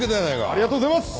ありがとうございます！